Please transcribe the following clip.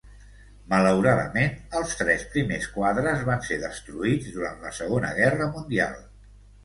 Malauradament, els tres primers quadres van ser destruïts durant la Segona Guerra Mundial.